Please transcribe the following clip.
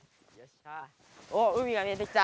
おっ海が見えてきた！